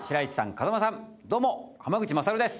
風間さんどうも濱口優です。